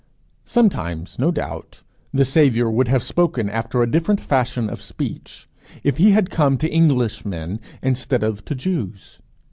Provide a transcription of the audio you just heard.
Sometimes, no doubt, the Saviour would have spoken after a different fashion of speech, if he had come to Englishmen, instead of to Jews.